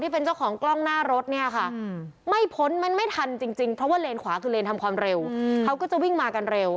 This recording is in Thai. เพราะว่าเรนขวาคือเรนทำความเร็วเขาก็จะวิ่งมากันเร็ว